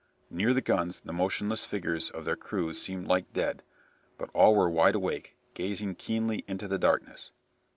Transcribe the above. Near the guns the motionless figures of their crews seemed like dead, but all were wide awake, gazing keenly into the darkness.